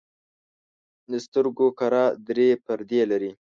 د سترګو کره درې پردې لري.